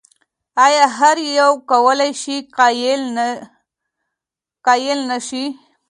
ایا هر یو کولای شي قایل نه وي؟